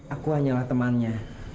aku hanyalah temannya